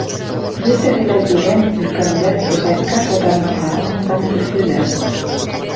Бөтәһе лә ерән, өлкәндәр, кеҫәртке ашауҙарына ҡарамаҫтан, көслөләр.